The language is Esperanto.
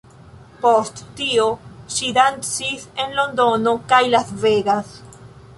Post tio, ŝi dancis en Londono kaj Las Vegas.